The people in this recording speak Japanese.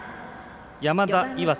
山田、岩佐。